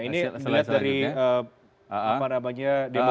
ini slide dari demografinya